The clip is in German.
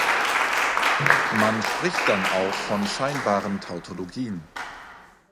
Man spricht dann auch von "scheinbaren Tautologien".